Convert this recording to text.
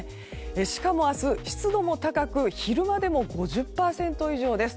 しかも、明日湿度も高く昼間でも５０％以上です。